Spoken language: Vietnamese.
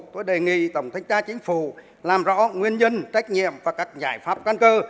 tôi đề nghị tổng thanh tra chính phủ làm rõ nguyên nhân trách nhiệm và các giải pháp căn cơ